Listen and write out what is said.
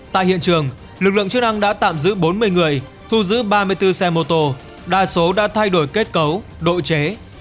tại hiện trường lực lượng chức năng đã tạm giữ bốn mươi người thu giữ ba mươi bốn xe mô tô đa số đã thay đổi kết cấu độ chế